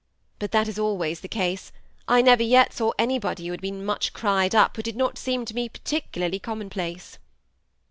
But that is always the case. I never yet saw anybody who had been much cried up, who did not seem to me particularly commonplace."